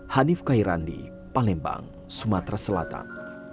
hanif kairandi palembang sumatera selatan